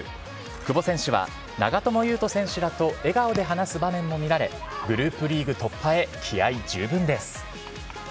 久保選手は、長友佑都選手らと笑顔で話す場面も見られ、グループリーグ突破へ気合い十分です。